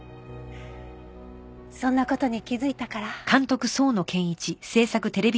そんな事に気づいたから。